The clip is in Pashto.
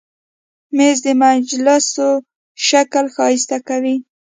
مېز د مجلسو شکل ښایسته کوي.